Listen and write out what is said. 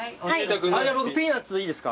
僕ピーナッツいいですか？